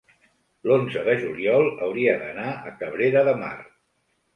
l'onze de juliol hauria d'anar a Cabrera de Mar.